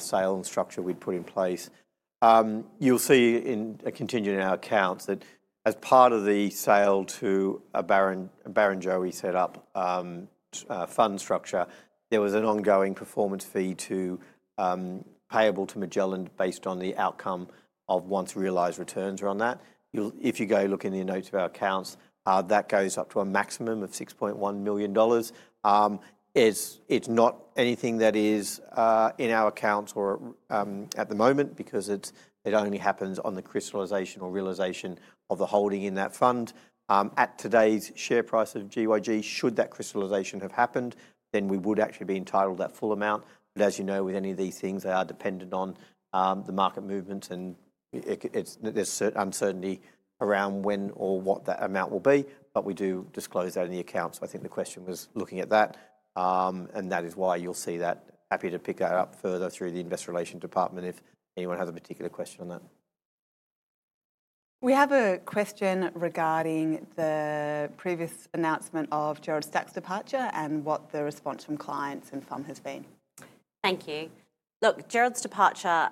sale and structure we'd put in place. You'll see in continuing in our accounts that as part of the sale to Barrenjoey set up fund structure, there was an ongoing performance fee payable to Magellan based on the outcome of once realized returns around that. If you go look in the notes of our accounts, that goes up to a maximum of 6.1 million dollars. It's not anything that is in our accounts at the moment because it only happens on the crystallization or realization of the holding in that fund. At today's share price of GYG, should that crystallization have happened, then we would actually be entitled to that full amount. But as you know, with any of these things, they are dependent on the market movement and there's uncertainty around when or what that amount will be. But we do disclose that in the accounts. I think the question was looking at that. And that is why you'll see that. Happy to pick that up further through the investor relations department if anyone has a particular question on that. We have a question regarding the previous announcement of Gerald Stack's departure and what the response from clients and funds has been. Thank you. Look, Gerald Stack's departure,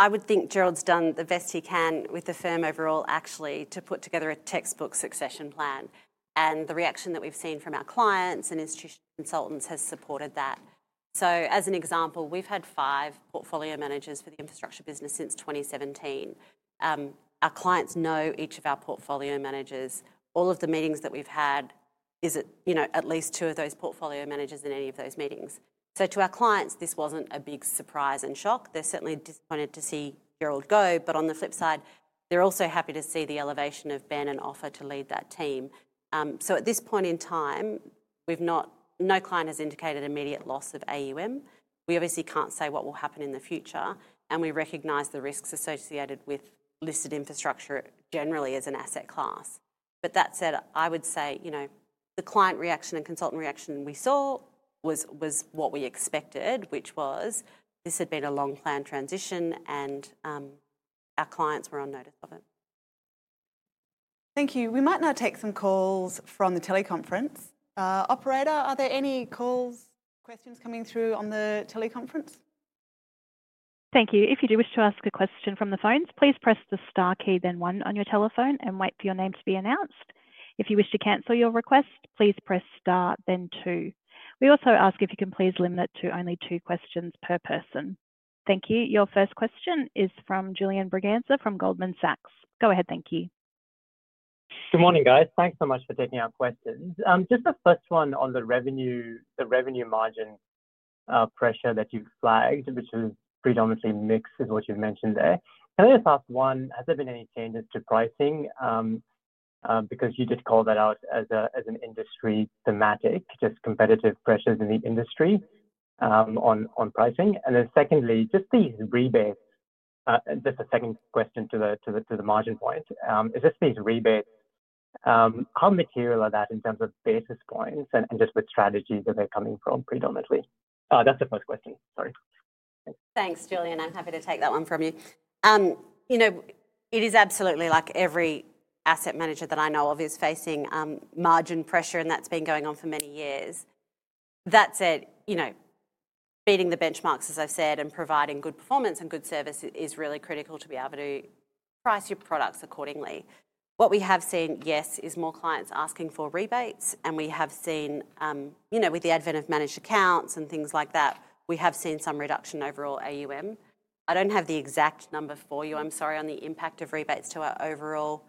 I would think Gerald's done the best he can with the firm overall actually to put together a textbook succession plan. And the reaction that we've seen from our clients and institutional consultants has supported that. So as an example, we've had five portfolio managers for the infrastructure business since 2017. Our clients know each of our portfolio managers. All of the meetings that we've had is, you know, at least two of those portfolio managers in any of those meetings. So to our clients, this wasn't a big surprise and shock. They're certainly disappointed to see Gerald go, but on the flip side, they're also happy to see the elevation of Ben and Ofer to lead that team. So at this point in time, no client has indicated immediate loss of AUM. We obviously can't say what will happen in the future, and we recognize the risks associated with listed infrastructure generally as an asset class. But that said, I would say, you know, the client reaction and consultant reaction we saw was what we expected, which was this had been a long planned transition and our clients were on notice of it. Thank you. We might now take some calls from the teleconference. Operator, are there any calls, questions coming through on the teleconference? Thank you. If you do wish to ask a question from the phones, please press the star key, then one on your telephone and wait for your name to be announced. If you wish to cancel your request, please press star, then two. We also ask if you can please limit it to only two questions per person. Thank you. Your first question is from Julian Braganza from Goldman Sachs. Go ahead. Thank you. Good morning, guys. Thanks so much for taking our questions. Just the first one on the revenue, the revenue margin pressure that you've flagged, which is predominantly mixed is what you've mentioned there. Can I just ask one, has there been any changes to pricing? Because you did call that out as an industry thematic, just competitive pressures in the industry on pricing. And then secondly, just these rebates, just a second question to the margin point. It's just these rebates, how material are they in terms of basis points and just with strategies that they're coming from predominantly? That's the first question. Sorry. Thanks, Julian. I'm happy to take that one from you. You know, it is absolutely like every asset manager that I know of is facing margin pressure and that's been going on for many years. That said, you know, beating the benchmarks, as I've said, and providing good performance and good service is really critical to be able to price your products accordingly. What we have seen, yes, is more clients asking for rebates. And we have seen, you know, with the advent of managed accounts and things like that, we have seen some reduction overall AUM. I don't have the exact number for you. I'm sorry on the impact of rebates to our overall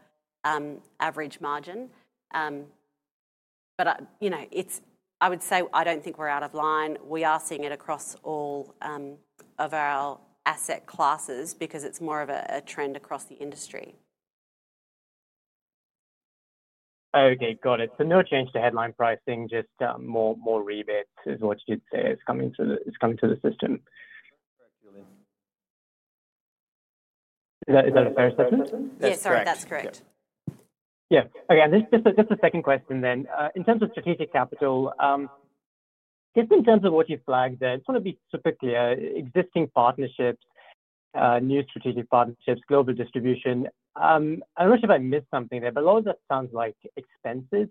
average margin. But you know, it's. I would say I don't think we're out of line. We are seeing it across all of our asset classes because it's more of a trend across the industry. Okay, got it. So no change to headline pricing, just more rebates is what you'd say is coming to the system. Is that a fair statement? Yes, that's correct. Yeah. Okay. And just a second question then. In terms of strategic capital, just in terms of what you flagged there, it's going to be typically existing partnerships, new strategic partnerships, global distribution. I don't know if I missed something there, but a lot of that sounds like expenses,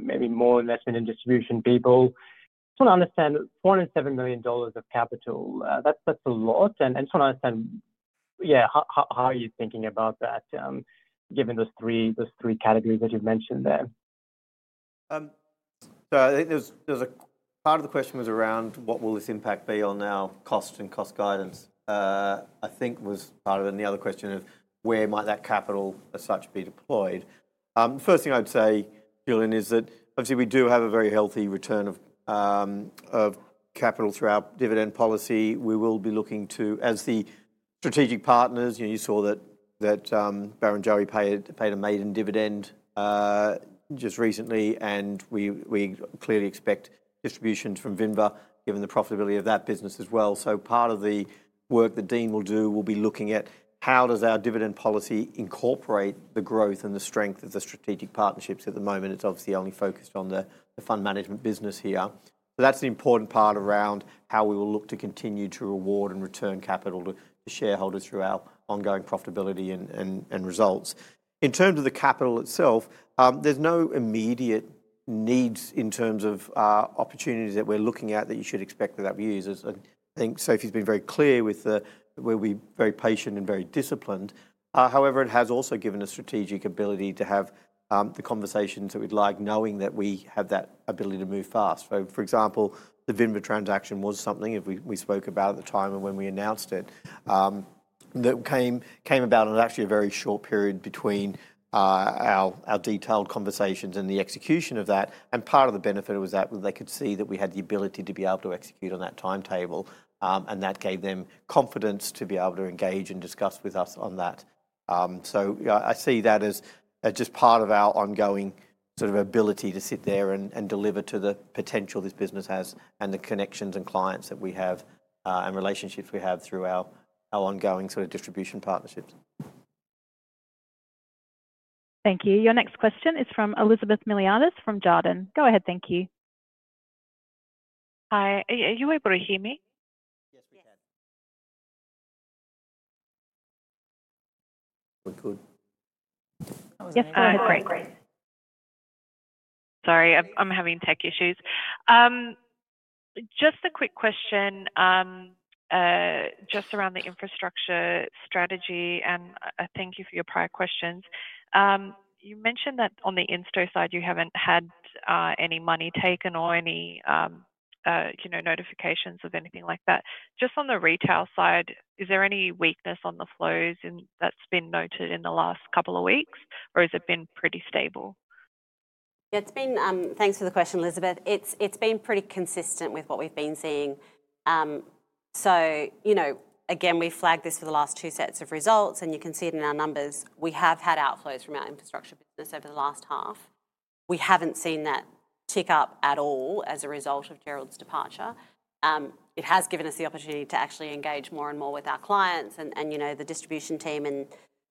maybe more investment in distribution people. I just want to understand 4.7 million dollars of capital. That's a lot. And I just want to understand, yeah, how are you thinking about that given those three categories that you've mentioned there? So I think there's a part of the question was around what will this impact be on our cost and cost guidance. I think was part of the other question of where might that capital as such be deployed. The first thing I would say, Julian, is that obviously we do have a very healthy return of capital throughout dividend policy. We will be looking to, as the strategic partners, you know, you saw that Barrenjoey paid a maiden dividend just recently, and we clearly expect distributions from Vinva given the profitability of that business as well. So part of the work the Dean will do will be looking at how does our dividend policy incorporate the growth and the strength of the strategic partnerships at the moment. It's obviously only focused on the fund management business here. That's an important part around how we will look to continue to reward and return capital to shareholders through our ongoing profitability and results. In terms of the capital itself, there's no immediate needs in terms of opportunities that we're looking at that you should expect that that we use. I think Sophie's been very clear with where we're very patient and very disciplined. However, it has also given us strategic ability to have the conversations that we'd like knowing that we have that ability to move fast. For example, the Vinva transaction was something we spoke about at the time and when we announced it that came about in actually a very short period between our detailed conversations and the execution of that. Part of the benefit was that they could see that we had the ability to be able to execute on that timetable. That gave them confidence to be able to engage and discuss with us on that. So I see that as just part of our ongoing sort of ability to sit there and deliver to the potential this business has and the connections and clients that we have and relationships we have through our ongoing sort of distribution partnerships. Thank you. Your next question is from Elizabeth Mily from Jarden. Go ahead. Thank you. Hi. Are you able to hear me? Yes, we can. We're good. Yes, I heard great. Sorry, I'm having tech issues. Just a quick question just around the infrastructure strategy. And thank you for your prior questions. You mentioned that on the in-store side, you haven't had any money taken or any, you know, notifications of anything like that. Just on the retail side, is there any weakness on the flows that's been noted in the last couple of weeks? Or has it been pretty stable? Yeah, it's been, thanks for the question, Elizabeth. It's been pretty consistent with what we've been seeing. So, you know, again, we flagged this for the last two sets of results. And you can see it in our numbers. We have had outflows from our infrastructure business over the last half. We haven't seen that tick up at all as a result of Gerald's departure. It has given us the opportunity to actually engage more and more with our clients. And, you know, the distribution team and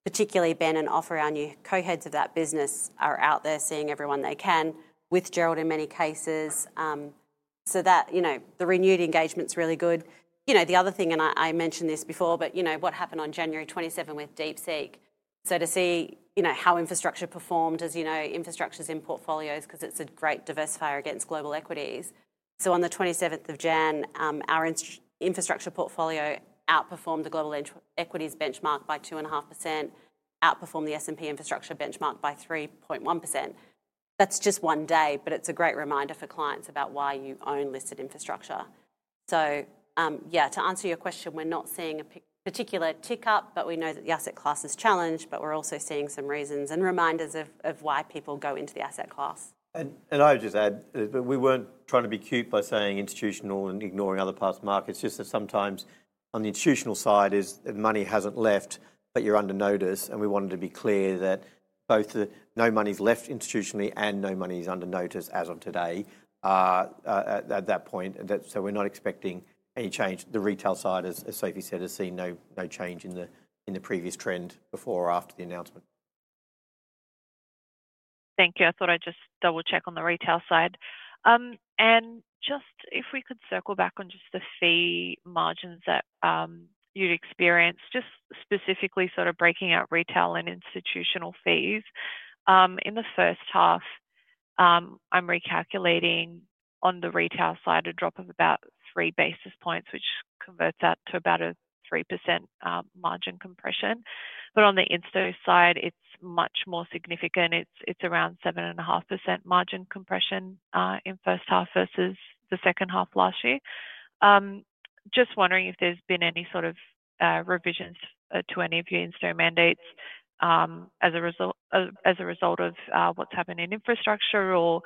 particularly Ben and Ofer our new co-heads of that business are out there seeing everyone they can with Gerald in many cases. So that, you know, the renewed engagement's really good. You know, the other thing, and I mentioned this before, but, you know, what happened on January 27 with DeepSeek. So to see, you know, how infrastructure performed as, you know, infrastructures in portfolios because it's a great diversifier against global equities. So on the 27th of January, our infrastructure portfolio outperformed the global equities benchmark by 2.5%, outperformed the S&P infrastructure benchmark by 3.1%. That's just one day, but it's a great reminder for clients about why you own listed infrastructure. So, yeah, to answer your question, we're not seeing a particular tick up, but we know that the asset class is challenged, but we're also seeing some reasons and reminders of why people go into the asset class. And I would just add that we weren't trying to be cute by saying institutional and ignoring other parts of the market. It's just that sometimes on the institutional side is that money hasn't left, but you're under notice. And we wanted to be clear that both the no money's left institutionally and no money's under notice as of today at that point. So we're not expecting any change. The retail side, as Sophie said, has seen no change in the previous trend before or after the announcement. Thank you. I thought I'd just double-check on the retail side. And just if we could circle back on just the fee margins that you'd experienced, just specifically sort of breaking out retail and institutional fees. In the first half, I'm recalculating on the retail side a drop of about three basis points, which converts that to about a 3% margin compression. But on the institutional side, it's much more significant. It's around 7.5% margin compression in first half versus the second half last year. Just wondering if there's been any sort of revisions to any of your in-force mandates as a result of what's happened in infrastructure or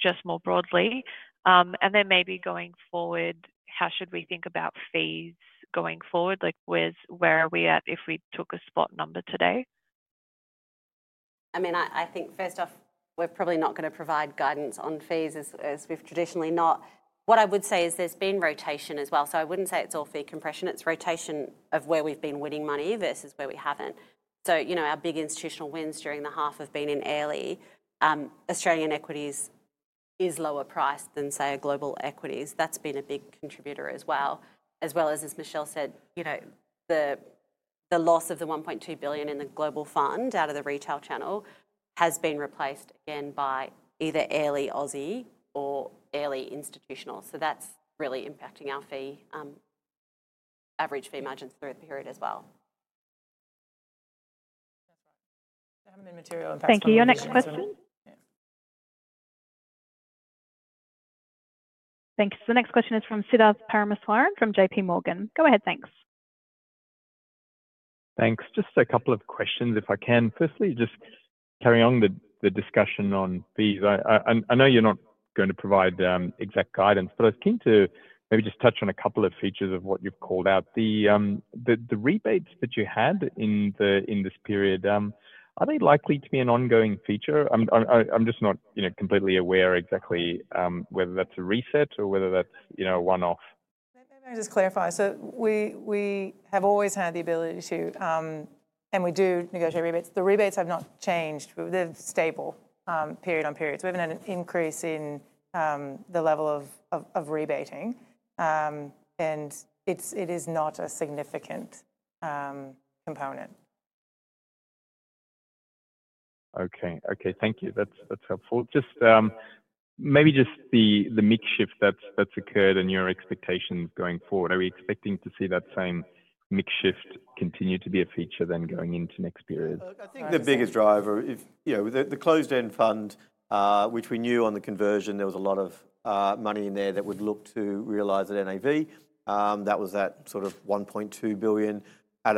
just more broadly. And then maybe going forward, how should we think about fees going forward? Like where are we at if we took a spot number today? I mean, I think first off, we're probably not going to provide guidance on fees as we've traditionally not. What I would say is there's been rotation as well. So I wouldn't say it's all fee compression. It's rotation of where we've been winning money versus where we haven't. So, you know, our big institutional wins during the half have been in Airlie. Australian equities is lower priced than, say, a global equities. That's been a big contributor as well. As well as, as Michelle said, you know, the loss of 1.2 billion in the global fund out of the retail channel has been replaced again by either Airlie Aussie or Airlie Institutional. So that's really impacting our fee average fee margins through the period as well. That's right. There haven't been material impacts on the retail side. Thank you. Your next question. Thanks. The next question is from Siddharth Parameswaran from J.P. Morgan. Go ahead. Thanks. Thanks. Just a couple of questions if I can. Firstly, just carrying on the discussion on fees. I know you're not going to provide exact guidance, but I was keen to maybe just touch on a couple of features of what you've called out. The rebates that you had in this period, are they likely to be an ongoing feature? I'm just not, you know, completely aware exactly whether that's a reset or whether that's, you know, a one-off. Maybe I just clarify. So we have always had the ability to, and we do negotiate rebates. The rebates have not changed. They're stable period on period. So we haven't had an increase in the level of rebating. And it is not a significant component. Okay. Okay. Thank you. That's helpful. Just maybe the mix shift that's occurred and your expectations going forward. Are we expecting to see that same mix shift continue to be a feature then going into next period? I think the biggest driver, you know, the closed-end fund, which we knew on the conversion, there was a lot of money in there that would look to realize at NAV. That was that sort of 1.2 billion at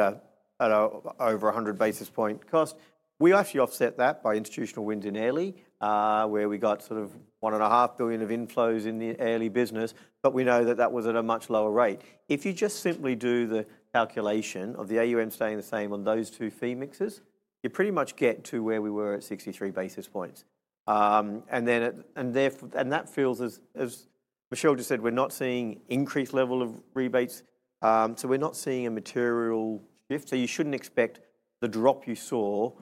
over 100 basis point cost. We actually offset that by institutional wins in Airlie, where we got sort of 1.5 billion of inflows in the Airlie business, but we know that that was at a much lower rate. If you just simply do the calculation of the AUM staying the same on those two fee mixes, you pretty much get to where we were at 63 basis points, and that feels, as Michelle just said, we're not seeing an increased level of rebates, so we're not seeing a material shift. So you shouldn't expect the drop you saw,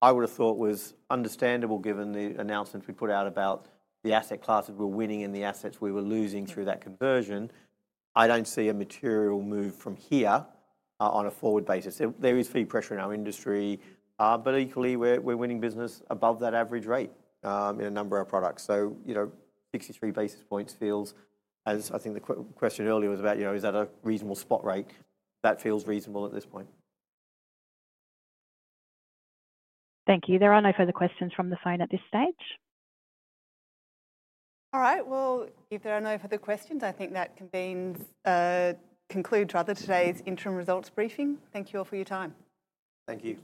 I would have thought was understandable given the announcements we put out about the asset classes we were winning and the assets we were losing through that conversion. I don't see a material move from here on a forward basis. There is fee pressure in our industry, but equally, we're winning business above that average rate in a number of our products. So, you know, 63 basis points feels, as I think the question earlier was about, you know, is that a reasonable spot rate? That feels reasonable at this point. Thank you. There are no further questions from the phone at this stage. All right. Well, if there are no further questions, I think that concludes our today's interim results briefing. Thank you all for your time. Thank you.